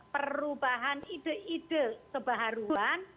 perubahan ide ide kebaruan